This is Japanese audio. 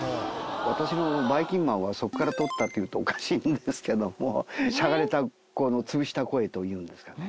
私のばいきんまんはそこから取ったっていうとおかしいんですけどもしゃがれたこのつぶした声というんですかね